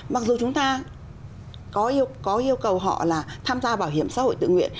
mặc dù chúng ta có yêu cầu họ là tham gia bảo hiểm xã hội tự nguyện